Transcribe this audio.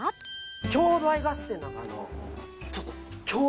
郷土愛合戦なんかあの。